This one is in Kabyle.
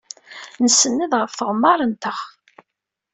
Nsenned ɣef tɣemmar-nteɣ.